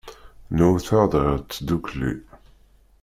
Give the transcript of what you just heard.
Nhut-aɣ-d ɣer tdukli.